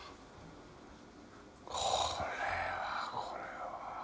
これはこれは。